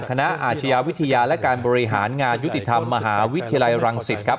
อาชญาวิทยาและการบริหารงานยุติธรรมมหาวิทยาลัยรังสิตครับ